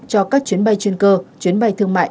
cho các chuyến bay chuyên cơ chuyến bay thương mại